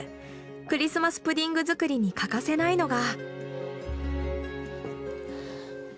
クリスマス・プディング作りに欠かせないのが。